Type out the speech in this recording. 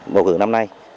bầu cử năm nay